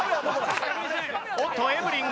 おっとエブリンが？